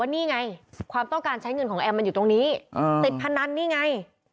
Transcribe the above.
นี่ไงความต้องการใช้เงินของแอมมันอยู่ตรงนี้ติดพนันนี่ไง